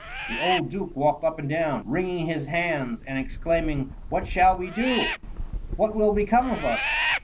The old duke walked up and down, wringing his hands, and exclaiming, " What shall we do ? What will become of us